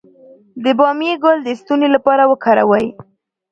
د بامیې ګل د ستوني لپاره وکاروئ